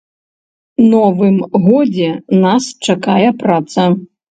Новым годзе нас чакае праца.